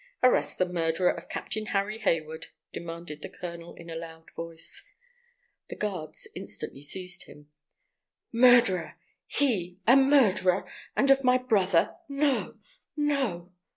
"Arrest the murderer of Captain Harry Hayward!" commanded the colonel, in a loud voice. The guards instantly seized him. "Murderer! He a murderer—and of my brother! No! no!